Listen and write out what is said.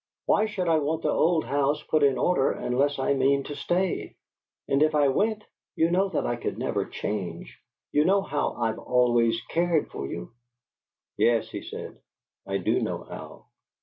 Why should I want the old house put in order unless I mean to stay? And if I went, you know that I could never change; you know how I've always cared for you " "Yes," he said, "I do know how.